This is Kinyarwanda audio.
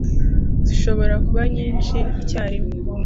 zishobora kuba nyinshi icyarimwe